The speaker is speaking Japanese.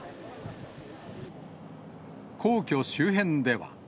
皇居周辺では。